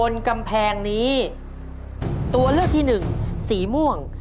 ตัวเลือดที่หนึ่งสีม่วง